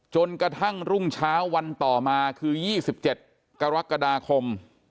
จนกระทั่งรุ่งเช้าวันต่อมาคือ๒๗กรกฎาคม